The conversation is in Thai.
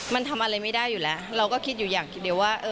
มันทำอะไรไม่ได้อยู่แล้วเราก็คิดอยู่อย่างทีเดียวว่า